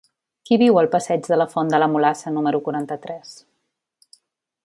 Qui viu al passeig de la Font de la Mulassa número quaranta-tres?